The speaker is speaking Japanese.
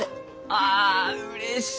あうれしい！